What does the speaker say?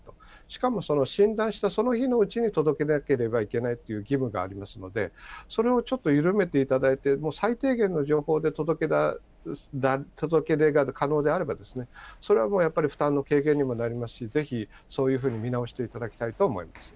しかも診断したその日のうちに届けなければいけないという義務がありますので、それをちょっと緩めていただいて、最低限の情報で届け出が可能であれば、それはもうやっぱり、負担の軽減にもなりますし、ぜひそういうふうに見直していただきたいと思います。